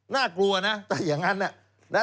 น่ากลัวนะแต่อย่างนั้น